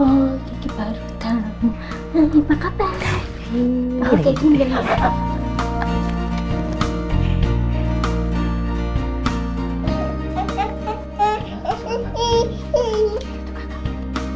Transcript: oh keki baru tau